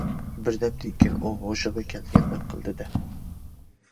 بىردەمدىن كېيىن ئۇ ھوشىغا كەلگەندەك قىلدى دە.